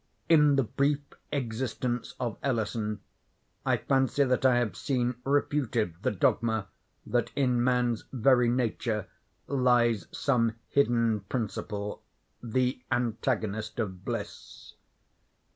In the brief existence of Ellison I fancy that I have seen refuted the dogma, that in man's very nature lies some hidden principle, the antagonist of bliss.